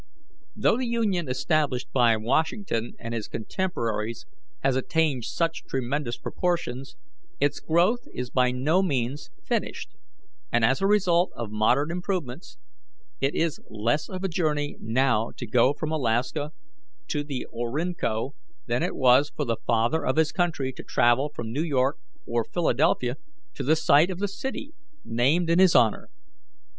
Though the Union established by Washington and his contemporaries has attained such tremendous proportions, its growth is by no means finished; and as a result of modern improvements, it is less of a journey now to go from Alaska to the Orinoco than it was for the Father of his Country to travel from New York or Philadelphia to the site of the city named in his honour.